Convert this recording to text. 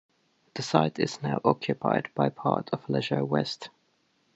The site is now occupied by part of Leisure West.